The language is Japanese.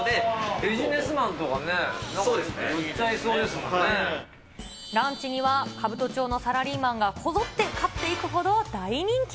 ビジネスマンとかね、寄っちランチには兜町のサラリーマンがこぞって買っていくほど大人気。